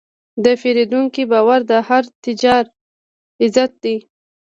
د پیرودونکي باور د هر تجارت عزت دی.